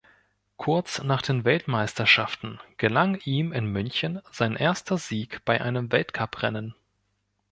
Kurz nach den Weltmeisterschaften gelang ihm in München sein erster Sieg bei einem Weltcup-Rennen.